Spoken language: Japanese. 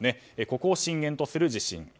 ここを震源とする地震。